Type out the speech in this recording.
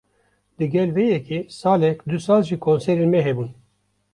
Digel vê yekê, salek du sal jî konserên me hebûn